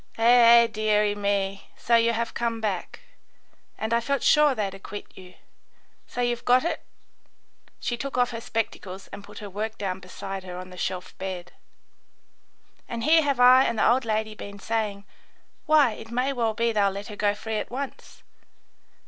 "Eh, eh, deary me, so you have come back. And I felt sure they'd acquit you. So you've got it?" She took off her spectacles and put her work down beside her on the shelf bed. "And here have I and the old lady been saying, 'Why, it may well be they'll let her go free at once.